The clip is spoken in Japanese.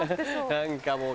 何かもう。